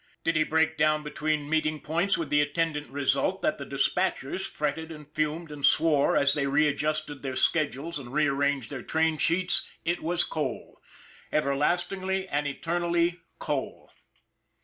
Did he break down be tween meeting points with the attendant result that the dispatchers fretted and fumed and swore as they readjusted their schedules and rearranged their train sheets, it was coal. Everlastingly and eternally coal.